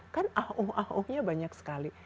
kan aung aungnya banyak sekali